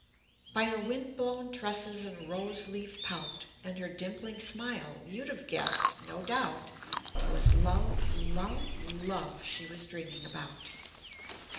By her wind blown tresses and rose leaf pout, And her dimpling smile, you'd have guessed, no doubt, 'Twas love, love, love she was dreaming about.